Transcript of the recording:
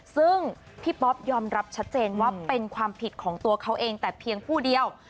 ซึ่งพี่ป๊อปยอมรับชัดเจนว่าเป็นความผิดของตัวเขาเองแต่เพียงผู้เดียว